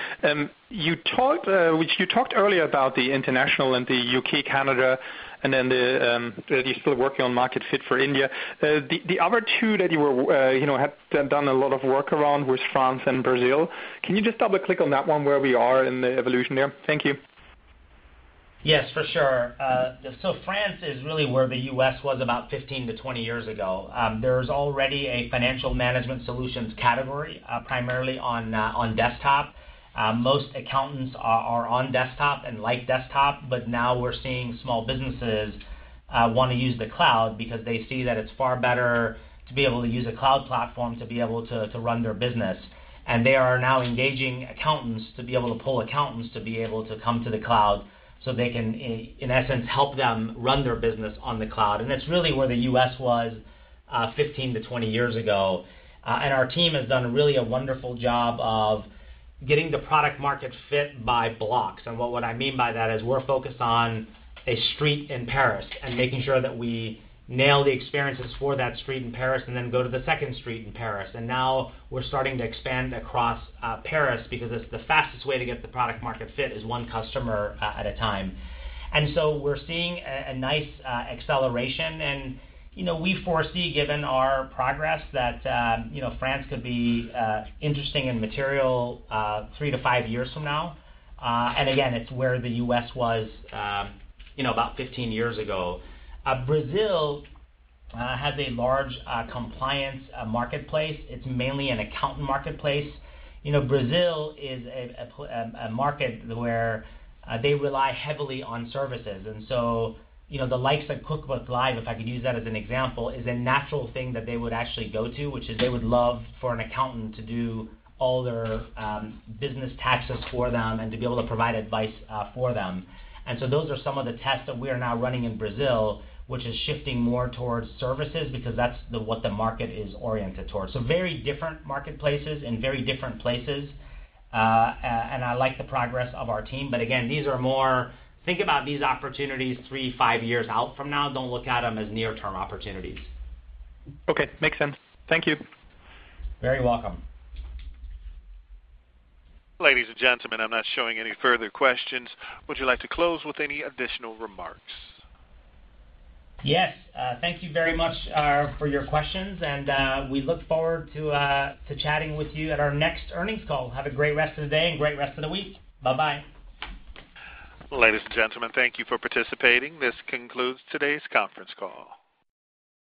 You talked earlier about the international and the U.K., Canada, and then that you're still working on market fit for India. The other two that you had done a lot of work around was France and Brazil. Can you just double-click on that one, where we are in the evolution there? Thank you. Yes, for sure. France is really where the U.S. was about 15-20 years ago. There's already a financial management solutions category, primarily on Desktop. Most accountants are on Desktop and like Desktop, but now we're seeing small businesses want to use the cloud because they see that it's far better to be able to use a cloud platform to be able to run their business. They are now engaging accountants to be able to pull accountants to be able to come to the cloud so they can, in essence, help them run their business on the cloud. It's really where the U.S. was 15-20 years ago. Our team has done really a wonderful job of getting the product-market fit by blocks. What I mean by that is we're focused on a street in Paris and making sure that we nail the experiences for that street in Paris and then go to the second street in Paris. Now we're starting to expand across Paris because it's the fastest way to get the product market fit is one customer at a time. We're seeing a nice acceleration, and we foresee, given our progress, that France could be interesting and material three to five years from now. Again, it's where the U.S. was about 15 years ago. Brazil has a large compliance marketplace. It's mainly an accountant marketplace. Brazil is a market where they rely heavily on services. The likes of QuickBooks Live, if I could use that as an example, is a natural thing that they would actually go to, which is they would love for an accountant to do all their business taxes for them and to be able to provide advice for them. Those are some of the tests that we are now running in Brazil, which is shifting more towards services because that's what the market is oriented towards. Very different marketplaces and very different places. I like the progress of our team. Again, think about these opportunities three, five years out from now. Don't look at them as near-term opportunities. Okay. Makes sense. Thank you. Very welcome. Ladies and gentlemen, I'm not showing any further questions. Would you like to close with any additional remarks? Yes. Thank you very much for your questions. We look forward to chatting with you at our next earnings call. Have a great rest of the day and great rest of the week. Bye-bye. Ladies and gentlemen, thank you for participating. This concludes today's conference call.